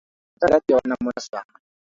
ملالۍ د وطن د غیرت یوه نمونه سوه.